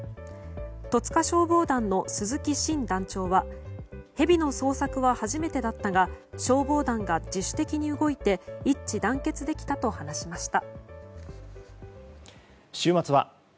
戸塚消防団の鈴木進団長はヘビの捜索は初めてだったが消防団が自主的に動いて一致団結できたと話しました。